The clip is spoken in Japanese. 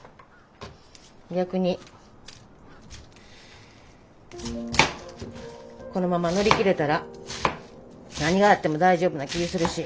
逆にこのまま乗り切れたら何があっても大丈夫な気ぃするし。